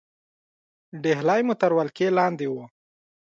ډهلی مو تر ولکې لاندې وو.